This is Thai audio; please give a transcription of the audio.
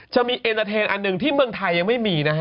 จะมีเอ็นเตอร์เทนอันหนึ่งที่เมืองไทยยังไม่มีนะฮะ